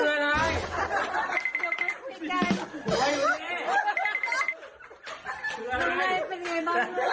อี๊ยเป็นไงบ้าง